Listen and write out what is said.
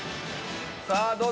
さあどうだ？